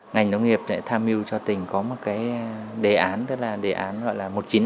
ngành nông nghiệp đã tham mưu cho tỉnh có một đề án gọi là một nghìn chín trăm năm mươi hai